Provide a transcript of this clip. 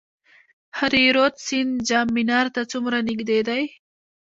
هریرود سیند جام منار ته څومره نږدې دی؟